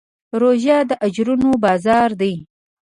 روژه د اجرونو بازار دی.